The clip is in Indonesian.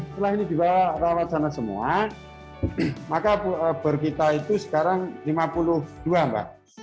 setelah ini dua rawat sana semua maka bergita itu sekarang lima puluh dua mbak